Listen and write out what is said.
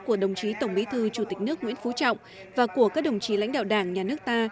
của đồng chí tổng bí thư chủ tịch nước nguyễn phú trọng và của các đồng chí lãnh đạo đảng nhà nước ta